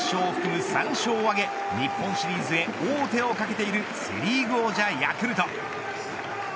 アドバンテージの１勝を含む３勝を挙げ日本シリーズへ王手をかけているセ・リーグ王者ヤクルト。